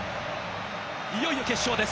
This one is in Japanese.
いよいよ決勝です。